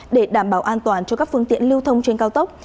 để đảm bảo an toàn cho các phương tiện lưu thông trên cao tốc